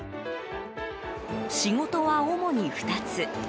仕事は主に２つ。